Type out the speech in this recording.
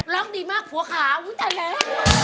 ร้องดีมากหัวขาอุ๊ยตายแล้ว